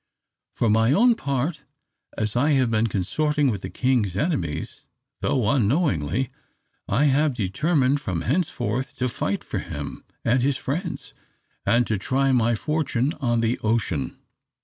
For my own part, as I have been consorting with the king's enemies, though unknowingly, I have determined, from henceforth, to fight for him and his friends, and to try my fortune on the ocean.